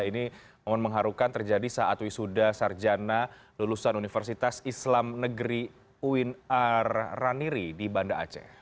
ini momen mengharukan terjadi saat wisuda sarjana lulusan universitas islam negeri uinar raniri di banda aceh